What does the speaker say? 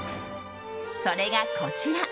それがこちら。